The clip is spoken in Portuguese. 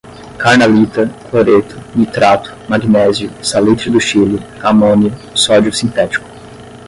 carnalita, cloreto, nitrato, magnésio, salitre do Chile, amônio, sódio sintético